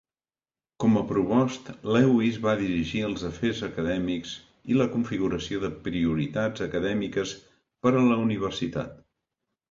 Com a provost, Lewis va dirigir els afers acadèmics i la configuració de prioritats acadèmiques per a la universitat.